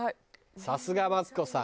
さすがマツコさん。